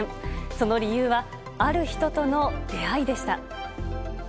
その理由はある人との出会いでした。